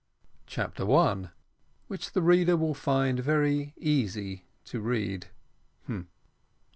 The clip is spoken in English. CHAPTER ONE. WHICH THE READER WILL FIND VERY EASY TO READ.